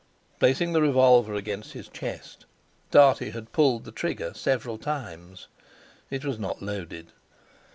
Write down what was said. Placing the revolver against his chest, Dartie had pulled the trigger several times. It was not loaded.